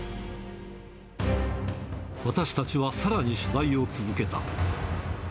私たちはさらに取材を続けた。